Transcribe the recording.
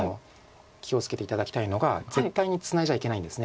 気を付けて頂きたいのが絶対にツナいじゃいけないんです